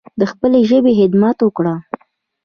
د خپلې ژبې خدمت وکړﺉ